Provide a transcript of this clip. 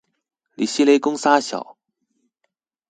你是哩工三小